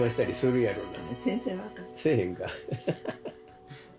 せえへんか。